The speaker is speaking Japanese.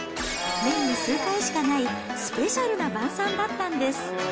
年に数回しかないスペシャルな晩さんだったんです。